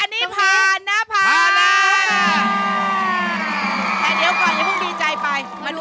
เร็วอย่าช้า